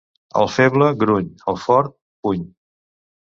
El feble, gruny; el fort, puny.